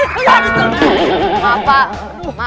tungguin bapak umar